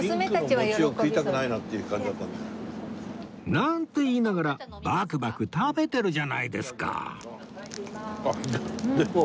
なんて言いながらバクバク食べてるじゃないですか！